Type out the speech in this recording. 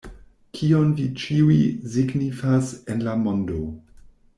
Kion vi ĉiuj signifas en la mondo?